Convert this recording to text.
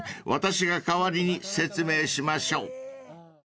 私が代わりに説明しましょう］